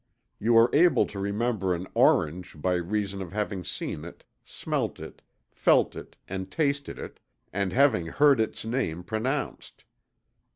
You are able to remember an orange by reason of having seen it, smelt it, felt it and tasted it, and having heard its name pronounced.